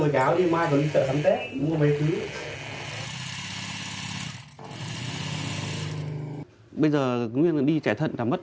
cố gắng làm xong người cáo đi mai vào chợ thăm tết mua mấy thứ